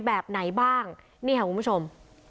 แบบไหนบ้างนี่ค่ะคุณผู้ชม